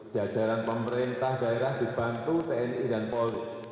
jajaran pemerintah daerah dibantu tni dan polri